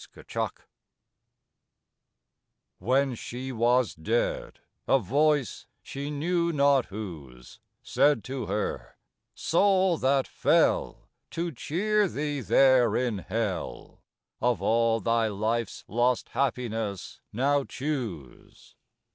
THAT HOUR When she was dead, a voice she knew not whose Said to her: "Soul that fell, To cheer thee there in Hell, Of all thy life's lost happiness now choose.